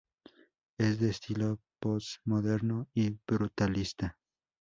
Es de estilo postmoderno y brutalista.